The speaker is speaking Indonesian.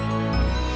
nih aku mau tidur